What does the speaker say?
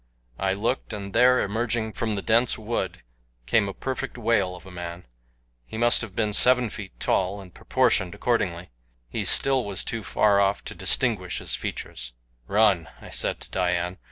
I looked, and there, emerging from the dense wood, came a perfect whale of a man. He must have been seven feet tall, and proportioned accordingly. He still was too far off to distinguish his features. "Run," I said to Dian.